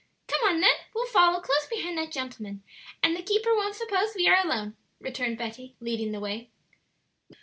"Come on then; we'll follow close behind that gentleman, and the keeper won't suppose we are alone," returned Betty, leading the way.